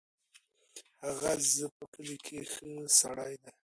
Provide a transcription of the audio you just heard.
هغه ز په کلي کې ښه سړی دی.